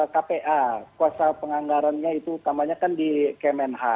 kpa kuasa penganggarannya itu utamanya kan di kemenha